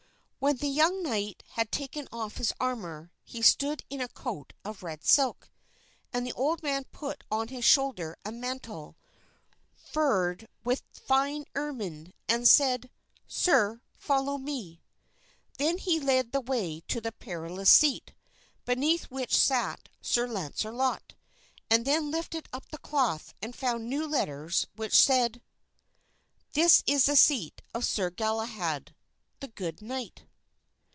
When the young knight had taken off his armor he stood in a coat of red silk, and the old man put on his shoulder a mantle, furred with fine ermine, and said: "Sir, follow me." Then he led the way to the Perilous Seat, beside which sat Sir Launcelot; and then lifted up the cloth and found new letters which said: "This is the seat of Sir Galahad, the good knight."